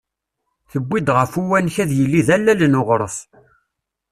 tuwi-d ɣef uwanek ad yili d allal n uɣref.